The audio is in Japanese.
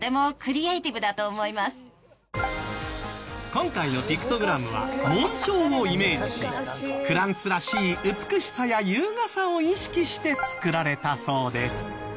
今回のピクトグラムは紋章をイメージしフランスらしい美しさや優雅さを意識して作られたそうです。